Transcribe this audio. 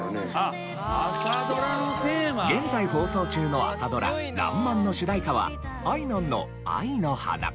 現在放送中の朝ドラ『らんまん』の主題歌はあいみょんの『愛の花』。